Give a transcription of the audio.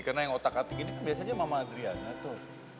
karena yang otak atik ini biasanya mama adriana tuh